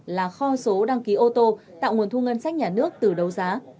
là kho số đăng ký ô tô tạo nguồn thu ngân sách nhà nước từ đấu giá